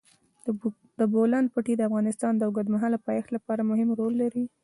د بولان پټي د افغانستان د اوږدمهاله پایښت لپاره مهم رول لري.